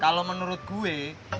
kalau menurut gue